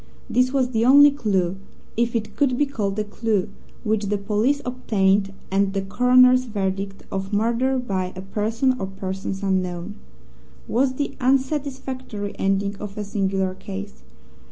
This was the only clue, if it could be called a clue, which the police obtained, and the coroner's verdict of "Murder by a person or persons unknown" was the unsatisfactory ending of a singular case.